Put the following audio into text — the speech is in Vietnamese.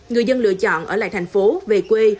người dân lựa chọn ở lại thành phố về quê